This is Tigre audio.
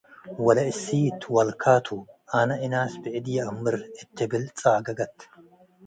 ወለእሲ'ት፤ “ወልከ ቱ፡ አነ እናስ ብዕድ ይአምር” እት ትብል ትጻገገት።